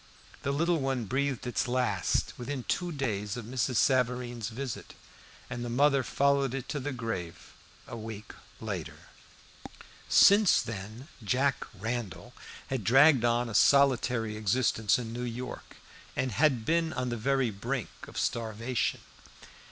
The little one breathed its last within two days of Mrs. Savareen's visit, and the mother followed it to the grave a week later. Since then "Jack Randall" had dragged on a solitary existence in New York, and had been on the very brink of starvation.